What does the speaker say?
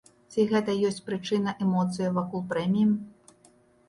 Ці гэта ёсць прычына эмоцыяў вакол прэміі?